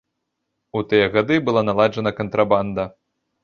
У тыя гады была наладжана кантрабанда.